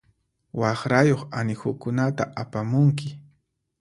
Waqrayuq anihukunata apamunki.